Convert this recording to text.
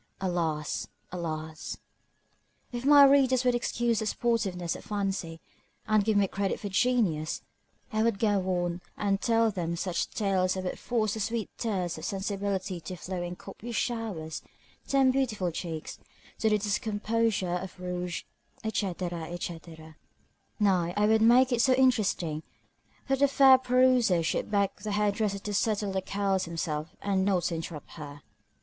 Alas! Alas! If my readers would excuse the sportiveness of fancy, and give me credit for genius, I would go on and tell them such tales as would force the sweet tears of sensibility to flow in copious showers down beautiful cheeks, to the discomposure of rouge, &c. &c. Nay, I would make it so interesting, that the fair peruser should beg the hair dresser to settle the curls himself, and not interrupt her.